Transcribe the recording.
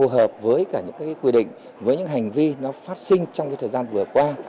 hợp với cả những quy định với những hành vi nó phát sinh trong thời gian vừa qua